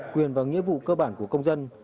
quyền và nghĩa vụ cơ bản của công dân